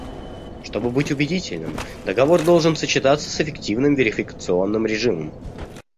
Чтобы быть убедительным, договор должен сочетаться с эффективным верификационным режимом.